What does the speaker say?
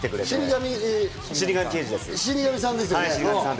『死神さん』ですよね。